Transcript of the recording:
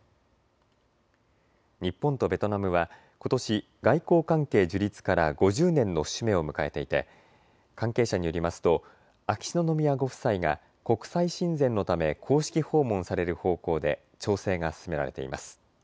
日本とベトナムはことし外交関係樹立から５０年の節目を迎えていて関係者によりますと秋篠宮ご夫妻が国際親善のため公式訪問される方向で調整が進められています。